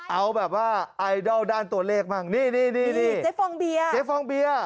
เอาแบบว่าไอดอลด้านตัวเลขบ้างนี่นี่เจ๊ฟองเบียร์เจ๊ฟองเบียร์